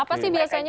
apa sih biasanya